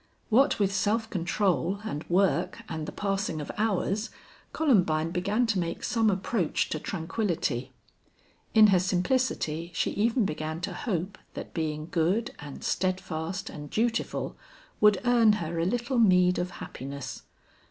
What with self control and work and the passing of hours, Columbine began to make some approach to tranquillity. In her simplicity she even began to hope that being good and steadfast and dutiful would earn her a little meed of happiness.